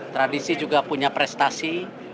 tradisi juga punya prestasi